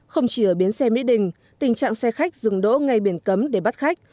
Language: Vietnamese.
không chỉ ở bến xe mỹ đình tình trạng xe khách dừng đỗ ngay biển cấm để bắt khách